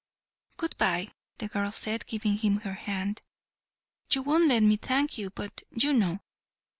"Good bye," the girl said, giving him her hand. "You won't let me thank you, but you know."